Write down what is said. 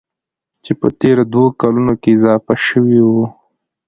چې په تېرو دوو کلونو کې اضافه شوي وو.